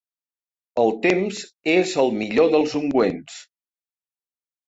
El temps és el millor dels ungüents.